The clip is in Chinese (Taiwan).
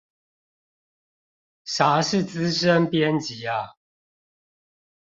啥是資深編輯啊？